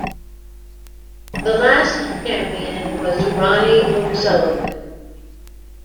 The last champion was Ronnie O'Sullivan.